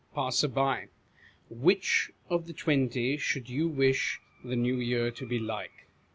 Passer. Which of the twenty should you wish the New Year to be like